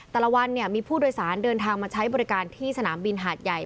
แต่ละวันมีผู้โดยสารเดินทางมาใช้บริการที่สนามบินหาดใหญ่